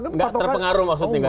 tidak terpengaruh maksudnya